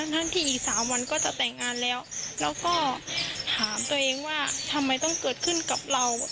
ทั้งที่อีก๓วันก็จะแต่งงานแล้วแล้วก็ถามตัวเองว่าทำไมต้องเกิดขึ้นกับเรา